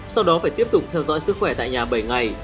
sau đó phải tiếp tục theo dõi sức khỏe tại nhà bảy ngày